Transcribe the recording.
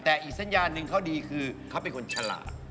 แต่อีกสัญญาณหนึ่งเขาดีคือเขาเป็นคนฉลาด